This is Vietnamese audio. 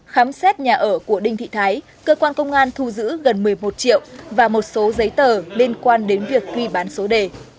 khám xét nhà ở của đinh thị thái cơ quan công an thu giữ gần một mươi một triệu và một số giấy tờ liên quan đến việc ghi bán số đề